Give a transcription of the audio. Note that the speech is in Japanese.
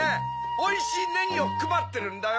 おいしいネギをくばってるんだよ。